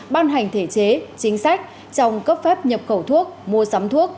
ban hành thể chế chính sách trong cấp phép nhập khẩu thuốc mua sắm thuốc